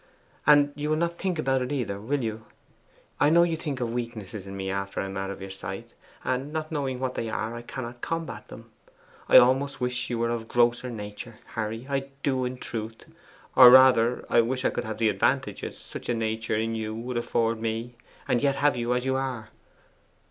'And you will not think about it, either, will you? I know you think of weaknesses in me after I am out of your sight; and not knowing what they are, I cannot combat them. I almost wish you were of a grosser nature, Harry; in truth I do! Or rather, I wish I could have the advantages such a nature in you would afford me, and yet have you as you are.